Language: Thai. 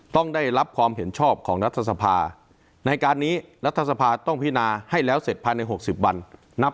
ต้องได้รับความเห็นชอบของรัฐสภาในการนี้รัฐสภาต้องพินาให้แล้วเสร็จภายใน๖๐วันนับ